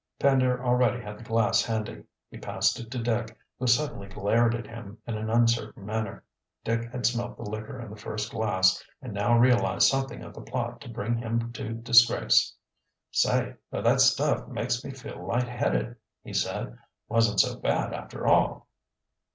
Pender already had the glass handy. He passed it to Dick, who suddenly glared at him in an uncertain manner. Dick had smelt the liquor in the first glass and now realized something of the plot to bring him to disgrace. "Say, but that stuff makes me feel lightheaded," he said. "Wasn't so bad, after all."